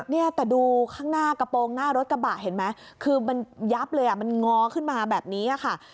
เนี่ยแต่ดูข้างหน้ากระโปรงหน้ารถกระบะเห็นไหมคือมันยับเลยอ่ะมันงอขึ้นมาแบบนี้ค่ะ